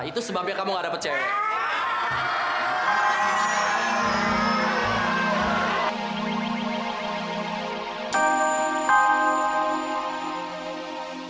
itu sebabnya kamu gak dapat cewek